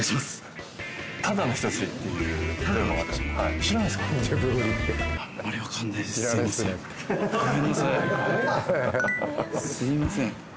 すいません。